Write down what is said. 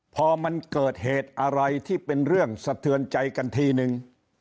พอมันเกิดเหตุอะไรที่เป็นเรื่องสะเทือนใจกันทีนึง